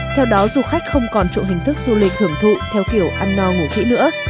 theo đó du khách không còn chỗ hình thức du lịch hưởng thụ theo kiểu ăn no ngủ kỹ nữa